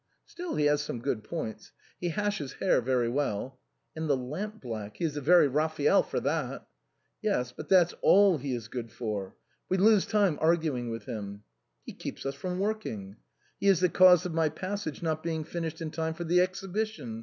" Still, he has some good points. He hashes hare very well." " And the lamp black ! He is a very Raphael for that." " Yes ; but that's all he is good for. We lose time argu ing with him." " He keeps us from working." " He is the cause of my ' Passage ' not being finished in time for the Exhibition.